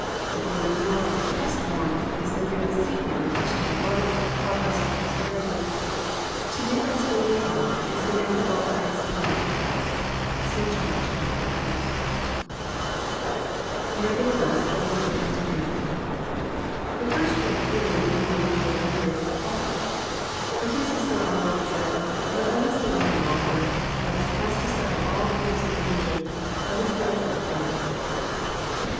To believe more and trust more, is the real secret of Christian growth, progress, and prosperity. To make us believe more is the end of all Christ's dealings with us. (See John xiv. 1.) J^Nevertheless let us go unto him.'} The first word here would be more literally rendered " But. It is as though our Lord said, '' But let us delay no longer : let us cast aside all fears of danger ; let us go to our friend."